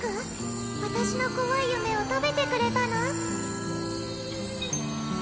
私のこわい夢を食べてくれたの？